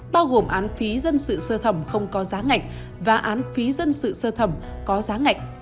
bao gồm án phí dân sự sơ thẩm không có giá ngạch và án phí dân sự sơ thẩm có giá ngạch